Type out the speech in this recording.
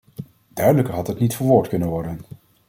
Duidelijker had het niet verwoord kunnen worden.